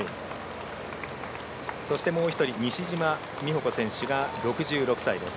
そしてもう一人、西島美保子選手が６６歳です。